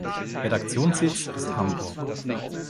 Redaktionssitz ist Hamburg.